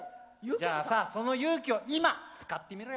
じゃあさその勇気を今使ってみろよ。